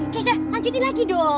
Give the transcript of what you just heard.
kezia lanjutin lagi dong